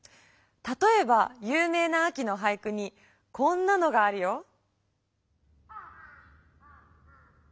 たとえばゆう名な秋の俳句にこんなのがあるよ。